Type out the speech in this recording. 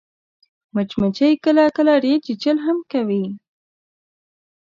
مچمچۍ کله کله ډېر چیچل هم کوي